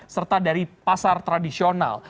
serta dari pasar tradisional